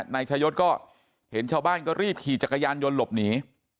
นายชายศก็เห็นชาวบ้านก็รีบขี่จักรยานยนต์หลบหนี